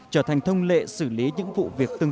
trở thành thông lệ xử lý những vụ việc